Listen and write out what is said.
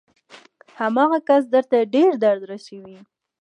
هماغه شخص درته ډېر درد رسوي.